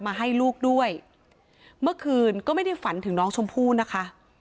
มาให้ลูกด้วยเมื่อคืนก็ไม่ได้ฝันถึงน้องชมพู่นะคะ